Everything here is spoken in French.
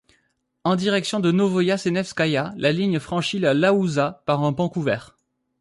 En direction de Novoïasenevskaïa la ligne franchit la Iaouza par un pont couvert.